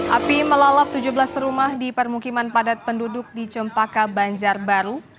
api melalap tujuh belas rumah di permukiman padat penduduk di cempaka banjarbaru